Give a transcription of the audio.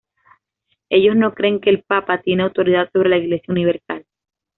Ellos no creen que el Papa tiene autoridad sobre la Iglesia universal.